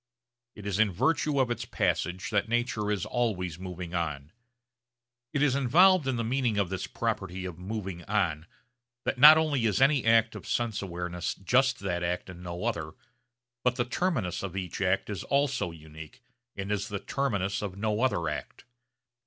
It is in virtue of its passage that nature is always moving on. It is involved in the meaning of this property of 'moving on' that not only is any act of sense awareness just that act and no other, but the terminus of each act is also unique and is the terminus of no other act.